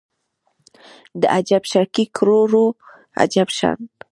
د اجب شاګۍ کروړو عجب شان